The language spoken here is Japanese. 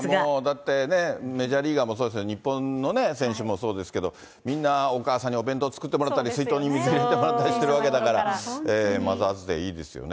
だって、メジャーリーガーもそうですけど、日本の選手もそうですけど、みんなお母さんにお弁当作ってもらったり、水筒に水入れてもらったりしているわけだから、マザーズデー、いいですよね。